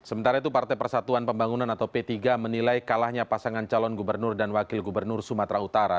sementara itu partai persatuan pembangunan atau p tiga menilai kalahnya pasangan calon gubernur dan wakil gubernur sumatera utara